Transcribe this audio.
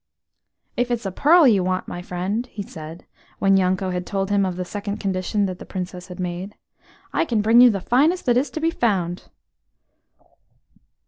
"If it's a pearl you want, my friend," he said, when Yanko had told him of the second condition that the Princess had made, "I can bring you the finest that is to be found."